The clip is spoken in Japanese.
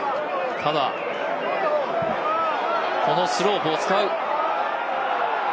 ただ、このスロープを使う。